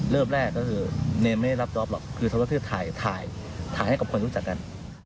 เริ่มแรกคือเท่าที่ถ่ายให้กับคนรู้จักกัน